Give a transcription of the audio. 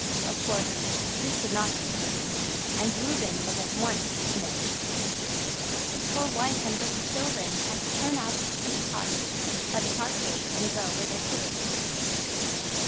Of course, this could not be hidden, and Reuben was at once dismissed; his poor wife and little children had to turn out of the pretty cottage by the park gate and go where they could.